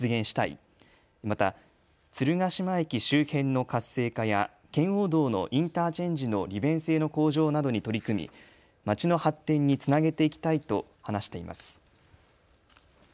また、鶴ヶ島駅周辺の活性化や圏央道のインターチェンジの利便性の向上などに取り組み街の発展につなげていきたいと話しています。